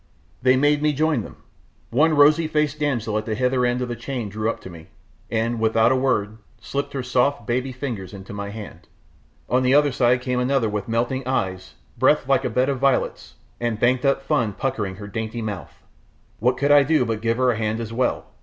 They made me join them! One rosey faced damsel at the hither end of the chain drew up to me, and, without a word, slipped her soft, baby fingers into my hand; on the other side another came with melting eyes, breath like a bed of violets, and banked up fun puckering her dainty mouth. What could I do but give her a hand as well?